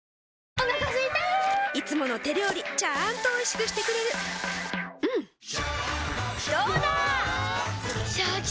お腹すいたいつもの手料理ちゃんとおいしくしてくれるジューうんどうだわ！